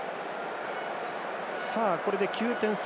これで９点差。